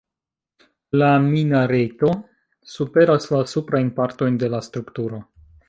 La minareto superas la suprajn partojn de la strukturo.